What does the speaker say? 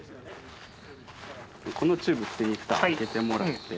このチューブに２つ入れてもらって。